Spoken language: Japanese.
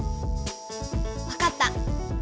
わかった。